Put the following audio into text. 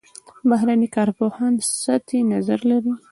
بهرني کارپوهان سطحي نظر لري.